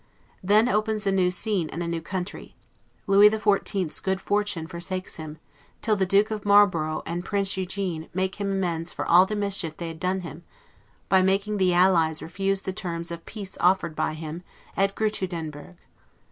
Then opens a new scene and a new century; Lewis the Fourteenth's good fortune forsakes him, till the Duke of Marlborough and Prince Eugene make him amends for all the mischief they had done him, by making the allies refuse the terms of peace offered by him at Gertruydenberg.